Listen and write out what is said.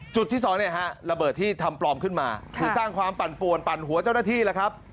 ที่สองเนี่ยฮะระเบิดที่ทำปลอมขึ้นมาคือสร้างความปั่นปวนปั่นหัวเจ้าหน้าที่แล้วครับ